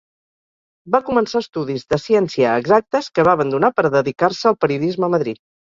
Va començar estudis de Ciència Exactes, que va abandonar per dedicar-se al periodisme a Madrid.